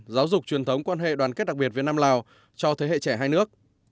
giáo dục truyền thống quan hệ đoàn kết đặc biệt việt nam lào cho thế hệ trẻ hai nước